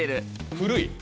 古い。